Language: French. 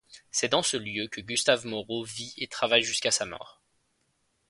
C’est dans ce lieu que Gustave Moreau vit et travaille jusqu'à sa mort.